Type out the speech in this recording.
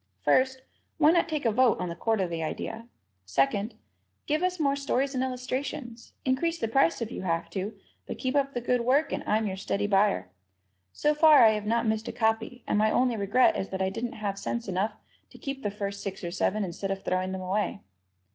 First, why not take a vote on the quarterly idea? Second, give us more stories and illustrations. Increase the price if you have to, but keep up the good work and I'm your steady buyer. So far I have not missed a copy, and my only regret is that I didn't have sense enough to keep the first six or seven instead of throwing them away.